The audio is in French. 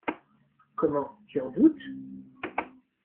Comment ! tu en doutes ?